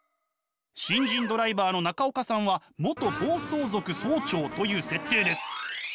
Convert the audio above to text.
新人ドライバーの中岡さんは元暴走族総長という設定です。